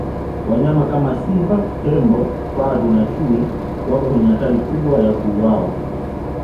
wanyama kama simba tembo faru na chui wako kwenye hatari kubwa ya kuuwawa